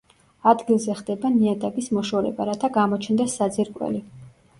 ადგილზე ხდება ნიადაგის მოშორება, რათა გამოჩნდეს საძირკველი.